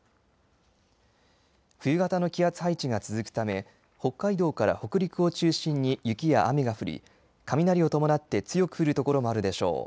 冬型の気圧配置が続くため北海道から北陸を中心に雪や雨が降り、雷を伴って強く降る所もあるでしょう。